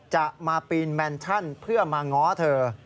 จะมาปีนแมนชั่นเพื่อมาง้อเธอ